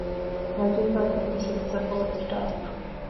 ވަޒީފާގެ ފުރުޞަތު - ސަޕޯޓް ސްޓާފް